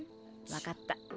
わかった。